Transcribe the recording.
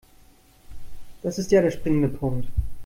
Das ist ja der springende Punkt.